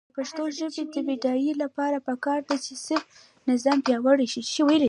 د پښتو ژبې د بډاینې لپاره پکار ده چې صرفي نظام پیاوړی شي.